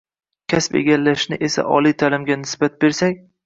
kasb egallashni esa oliy ta’limga nisbat bersak